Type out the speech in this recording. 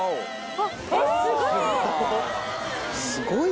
えっすごい。